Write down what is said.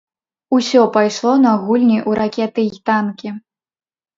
Усё пайшло на гульні ў ракеты й танкі.